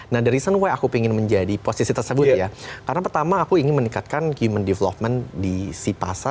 nah the reason wy aku ingin menjadi posisi tersebut ya karena pertama aku ingin meningkatkan human development di si pasar